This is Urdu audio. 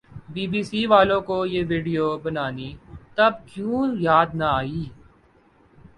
بی بی سی والوں کو یہ وڈیو بنانی تب کیوں یاد نہ آئی